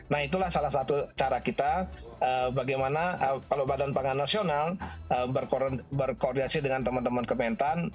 nah itulah salah satu cara kita bagaimana kalau badan pangan nasional berkoordinasi dengan teman teman kementan